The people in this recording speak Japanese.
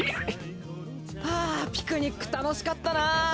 ああピクニック楽しかったなぁ！